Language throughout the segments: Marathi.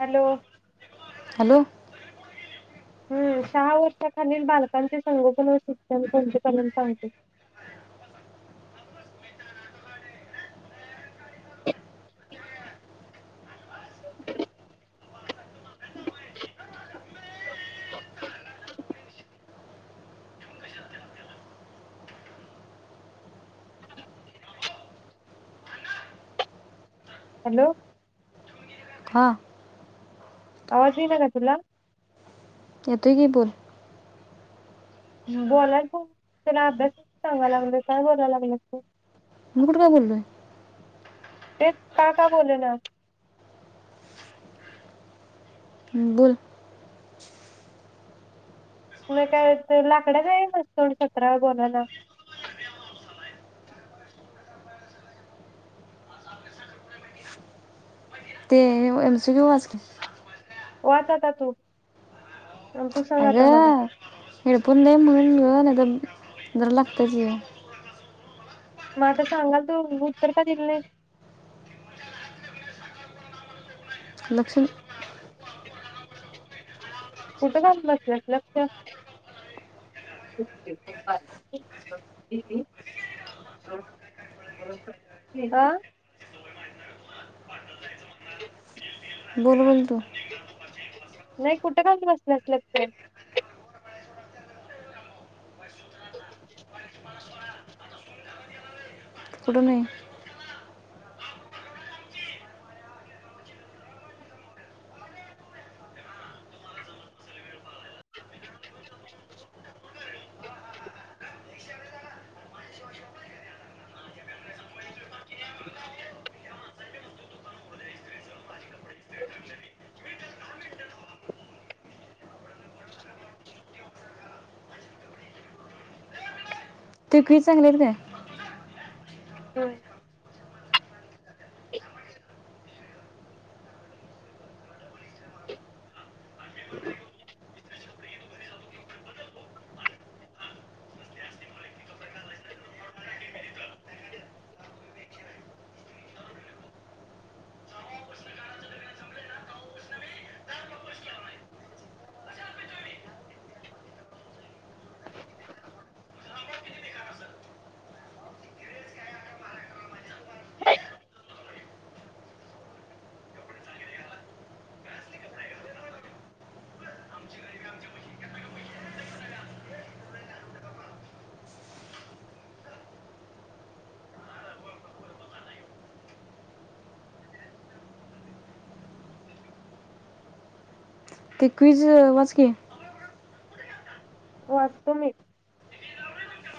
हॅलो. हॅलो हम सहा वर्षाखालील बालकांचे संगोपन व शिक्षण कोणते करण सांगते. [inaudible] हॅलो. हां. आवाज येना का तुला? येतोय की बोल. बोलाय त्याला अभ्यासात सांगाय लागलोय. काय बोलायला लागल्यास तू? मी कुट काय बोललोय? ते का का बोलनास? बोल. म्ह काय लाकडाच मस्तोड सतरा बोलायला. ते म सी क्यू वाच की. वाच आता तू. आणि तू सांग आता मला अगं [unintelligible] [unintelligible] जरा लगतच की. मग आता सांगाल तू उत्तर का दिल नाही? लक्ष कुठं जाऊन बसल्यास लक्ष बोलबोल. तो नाही. कुठं कालत बसल्या लक्ष कुट नाही. [inaudible] [inaudible] [unintelligible] काय? हम्. काय [inaudible] ते क्विज वाच की? वाचतो मी.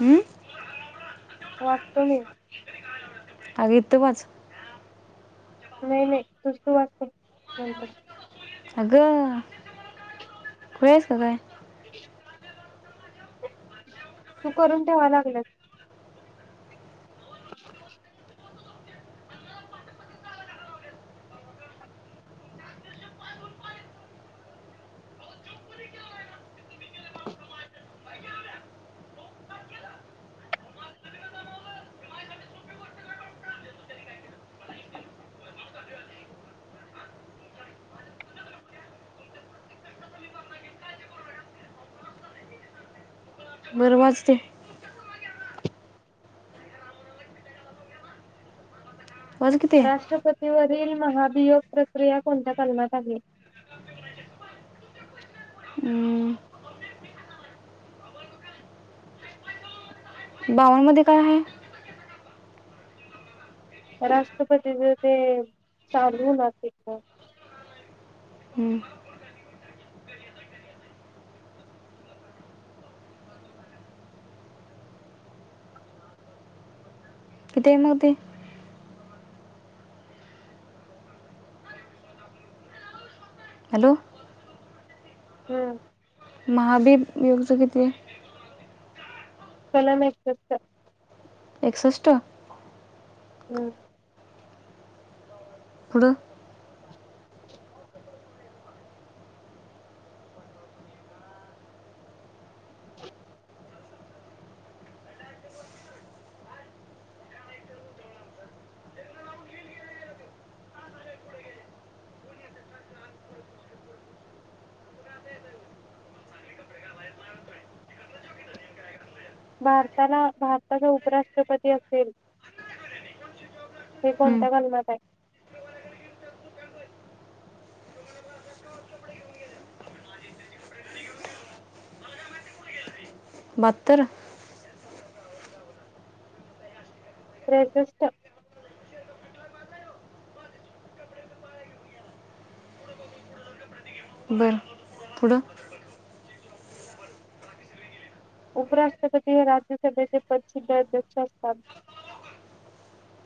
हम्म. वाचतो मी. अग इथ वाच. नाही. नाही. तूझ तू वाच ते नंतर अगं खुळी आहेस का काय? [inaudible] तू करून ठेवा लागल्यास. [inaudible] मर वाचते वाच किती आहे राष्ट्रपती वा रल महाभियोग प्रक्रिया कोणत्या कलमात आहे हं, बावनमध्ये काय आहे राष्ट्रपतीच ते चालवणार त हं, किती आहे मग ते हॅलो हम्म महाबी येऊचं कती कोलामेचत एकसष्ट हम्म पुढं भारताला भारताचा उपराष्ट्रपती असेल हे हं. कोणत्या कलमात आहे बत्तर प्रशिष्ट बर पुडं उपराष्ट्रपती हे राज्यसभेचे प्रसिद्ध अध्यक्ष असतात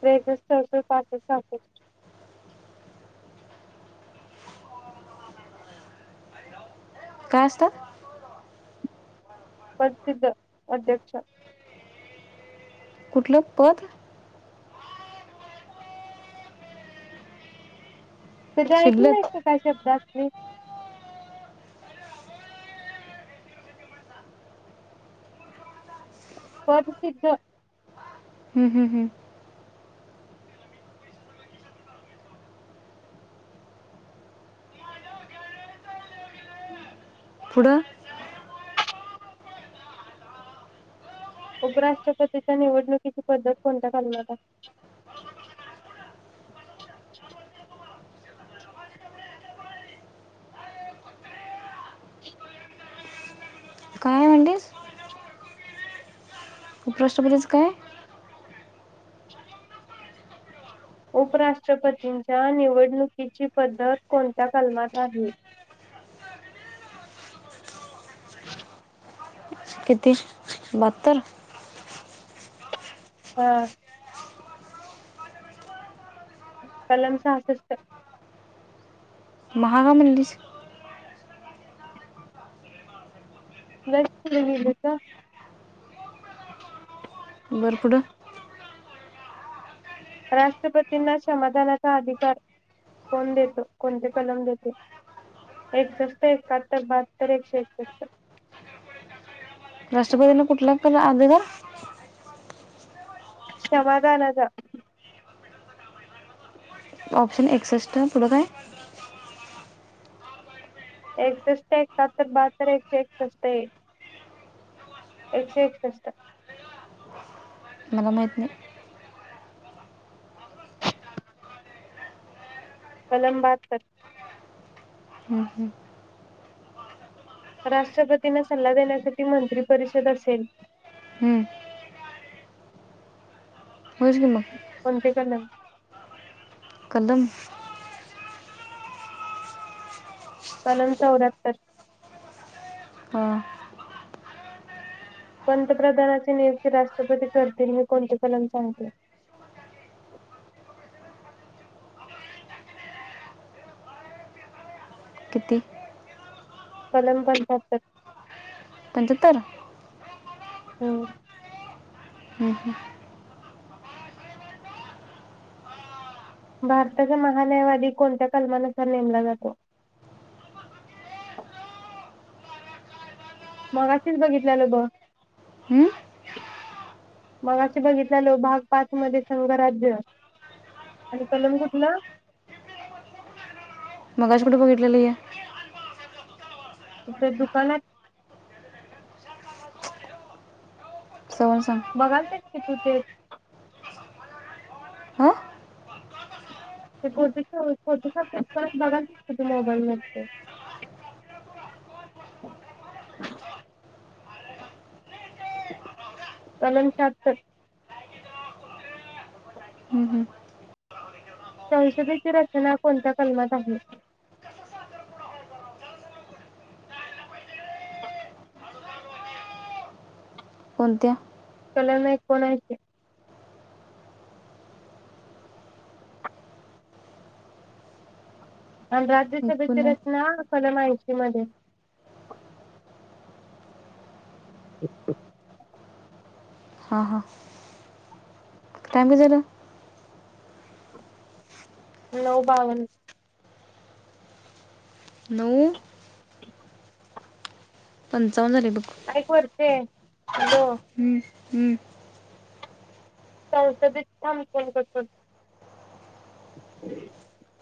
त्रेसष्टौ पासष्टष्ट का असत प्रसिद्ध अध्यक्ष कुठलं पद त ऐकल शिल्लक नाहीत काय शब्दात ह् प्रसिद्ध हम्म हम्म हम्म पुढं उपराष्ट्रपतीच्या निवडणुकीची पद्धत कोणत्या खालता काय म्हणलीस उपराष्ट्रपतीचं काय उपराष्ट्रपतींच्या निवडणुकीची पद्धत कोणत्या कलमात आहे किती बत्तर हम् कलाम साहसस् महागा मणलीस न म ब का अच् बपुड राष्ट्रपतींना समाधानाचा अधिकार कोण देतो कोणते कलम देते एकसष्टष्ट एकाहत्तर बहाततर एकशे एकसष्ट राष्ट्रपदी ना कुठला पला अधगर क्षमागान जा ऑप्शन एक्सेसट तुला काय एकसष्ट एकाहत्तर बहात्तर एकशे एकसष्ट एकशे एकसष्ट मला माेत नाही कलम बाात कर हं, हं. राष्ट्रपतींना सल्ला देण्यासाठी मंत्रिपरिषद असेल हं. होईच की मग कोणते कलम कलम कलम चौऱ्याहत्तर अं, पंतप्रधानाचे नियुक्ती राष्ट्रपती करतील हे कोणते कलम सांगते? किती? कलम पंचाहत्तर. पंचाहत्तर. हम्म. हम्म हम्म. भारताचा महान्यायवादी कोणत्या कलमानुसार नेमला जातो? मगाशीच बघितल्यालं बघ मगाशी बघितल्याल भाग पाच मध्ये संघराज्य आणि कलम कुठला? मगाशी कुठे बघितलेली हे? इथे दुकानात सवन सांग बघालच की तूच हे हां [unintelligible] मोबाईलवरती कलम [unintelligible] संसदेची रचना कोणत्या कलमात आहे? कोणत्या? कलम एकोणेंशी. आणि राज्य सभेची एकूण आहे रचना कलम ऐंशी मध्ये. [inaudible] हा हा. टाईम किती झाला? नऊ बावन्न नऊ पन काय करते? हॅलो. हम्म, हम्म. संसदित [unintelligible] [inaudible]